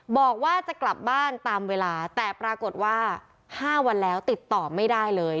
บอกว่าจะกลับบ้านตามเวลาแต่ปรากฏว่า๕วันแล้วติดต่อไม่ได้เลย